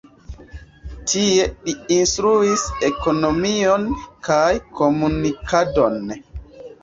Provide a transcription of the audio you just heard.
Tie li instruis ekonomion kaj komunikadon.